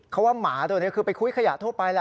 เขาว่าหมาตัวนี้คือไปคุ้ยขยะทั่วไปแหละ